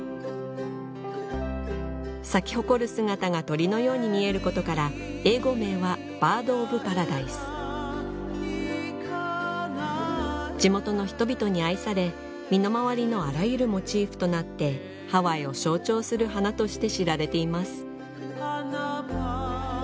咲き誇る姿が鳥のように見えることから英語名は地元の人々に愛され身の回りのあらゆるモチーフとなってハワイを象徴する花として知られています